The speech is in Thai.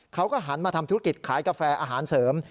เขาก็หันมาทำธุรกิจขายกาแฟอาหารเสริม